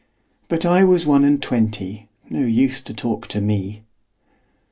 'But I was one and twenty, No use to talk to me.